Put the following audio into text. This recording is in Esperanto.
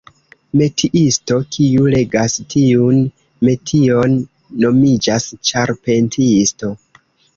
Metiisto, kiu regas tiun metion, nomiĝas ĉarpentisto.